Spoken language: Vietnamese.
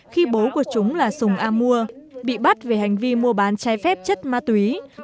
khi bố của chúng là sùng a mua bị bắt về hành vi mua bán trái phép chất ma túy